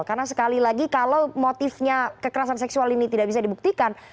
karena sekali lagi kalau motifnya kekerasan seksual ini tidak bisa dibuktikan